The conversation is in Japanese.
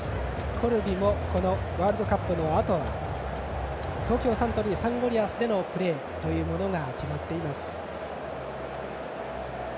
コルビもこのワールドカップのあとは東京サントリーサンゴリアスでのプレーもあります。